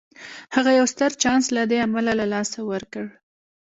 هغه يو ستر چانس له دې امله له لاسه ورکړ.